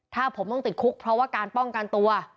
ถ้าผมต้องติดคุกเพราะว่าการป้องกันตัว